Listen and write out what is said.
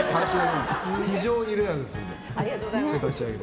非常にレアですので。